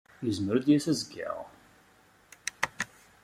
Yezmer ad d-yas azekka?